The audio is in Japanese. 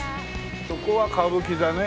そこは歌舞伎座ね。